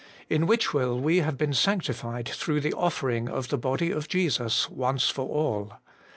In which will we have been sanctified through the offering of the body of Jesus once for all.